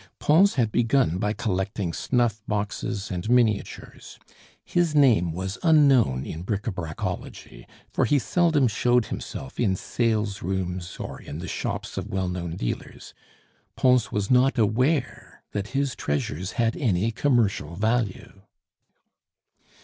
Pons had begun by collecting snuff boxes and miniatures; his name was unknown in bric a bracology, for he seldom showed himself in salesrooms or in the shops of well known dealers; Pons was not aware that his treasures had any commercial value.